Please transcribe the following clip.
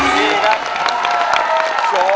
สวัสดีครับ